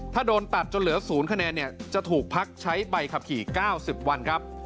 ถ้าโดนตัดจนเหลือ๐คะแนนเนี่ยจะถูกพักใช้ใบขับขี่๙๐วันครับ